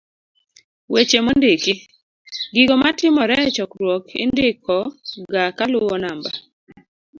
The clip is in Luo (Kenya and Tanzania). d-Weche mondiki. gigo matimore e chokruok indiko ga kaluwo namba